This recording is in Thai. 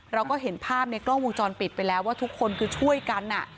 เราก็เห็นภาพในกล้องวงจรปิดไปแล้วว่าทุกคนคือช่วยกัน